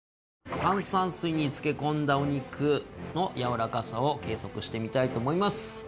炭酸水に漬け込んだお肉のやわらかさを計測してみたいと思います。